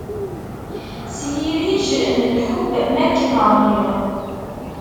S yirij n lḥub makken ṛɣiɣ.